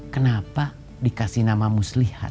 kenapa dikasih nama muslihat